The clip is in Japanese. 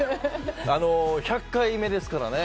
１００回目ですからね。